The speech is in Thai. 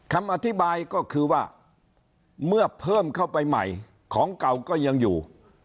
คำอธิบายก็คือว่าเมื่อเพิ่มเข้าไปใหม่ของเก่าก็ยังอยู่